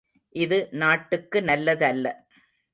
இது நாட்டுக்கு நல்லதல்ல.